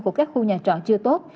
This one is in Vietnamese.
của các khu nhà trọ chưa tốt